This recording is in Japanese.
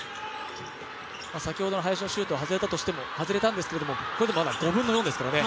先ほどの林のシュートは外れたんですけれども、これでもまだ５分の４ですからね。